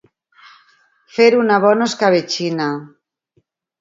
Fer una bona escabetxina.